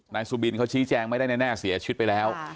นายสุบินเขาชี้แจงไม่ได้แน่เสียชีวิตไปแล้ว